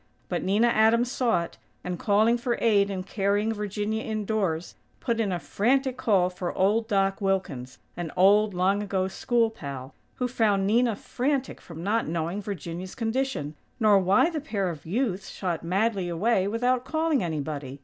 But Nina Adams saw it; and, calling for aid in carrying Virginia indoors, put in a frantic call for old Doc Wilkins, an old, long ago school pal, who found Nina frantic from not knowing Virginia's condition, nor why the pair of youths shot madly away without calling anybody.